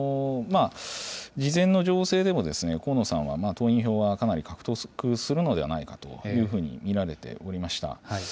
事前の情勢でも、河野さんは党員票はかなり獲得するのではないかというふうに見られておりました。